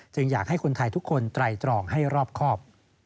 อยากให้คนไทยทุกคนไตรตรองให้รอบครอบ